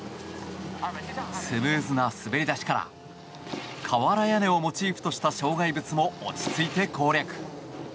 スムーズな滑り出しから瓦屋根をモチーフとした障害物も落ち着いて攻略。